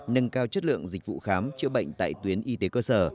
nâng cao chất lượng dịch vụ khám chữa bệnh tại tuyến y tế cơ sở